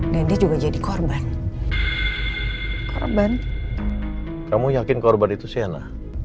dan dia juga jadi korban korban kamu yakin korban itu sienna